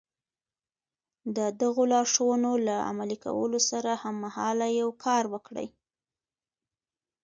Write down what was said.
د دغو لارښوونو له عملي کولو سره هممهاله يو کار وکړئ.